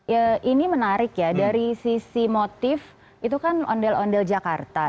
ya ini menarik ya dari sisi motif itu kan ondel ondel jakarta